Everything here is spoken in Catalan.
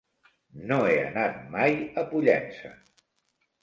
No he anat mai a Pollença.